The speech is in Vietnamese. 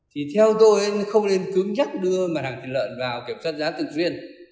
thì theo tôi không nên cứng nhắc đưa mặt hàng thịt lợn vào kiểm soát giá tự duyên